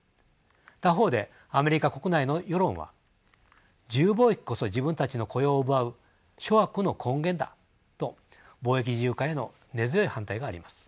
他方でアメリカ国内の世論は自由貿易こそ自分たちの雇用を奪う諸悪の根源だと貿易自由化への根強い反対があります。